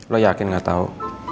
lo yakin gak tau